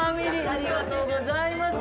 ありがとうございます。